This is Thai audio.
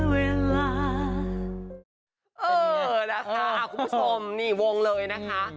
วงเลยนะคะคุณผู้ชมนี่วงเลยนะคะ